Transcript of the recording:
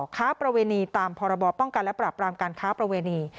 ค้าประเวณีตามพรบป้องกันและปราบรามการค้าประเวณี